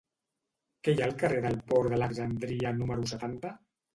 Què hi ha al carrer del Port d'Alexandria número setanta?